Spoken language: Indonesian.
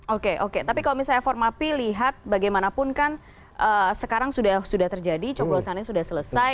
oke oke tapi kalau misalnya formapi lihat bagaimanapun kan sekarang sudah terjadi coblosannya sudah selesai